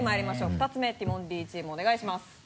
２つ目ティモンディチームお願いします。